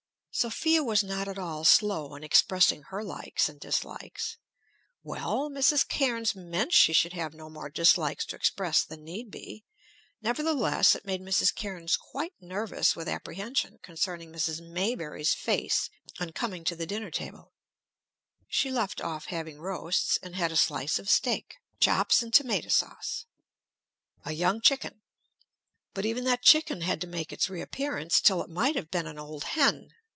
Sophia was not at all slow in expressing her likes and dislikes. Well, Mrs. Cairnes meant she should have no more dislikes to express than need be. Nevertheless, it made Mrs. Cairnes quite nervous with apprehension concerning Mrs. Maybury's face on coming to the dinner table; she left off having roasts, and had a slice of steak; chops and tomato sauce; a young chicken. But even that chicken had to make its reappearance till it might have been an old hen.